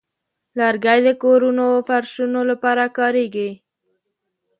لرګی د کورونو فرشونو لپاره کاریږي.